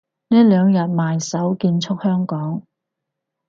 呢兩日埋首建設香港